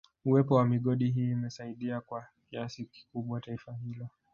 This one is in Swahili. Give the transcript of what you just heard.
Uwepo wa migodi hii imesaidia kwa kiasi kikubwa taifa hilo